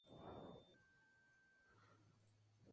Mantuvieron el tejón en el corazón del escudo.